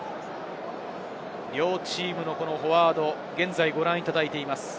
両チームのフォワード、ご覧いただいています。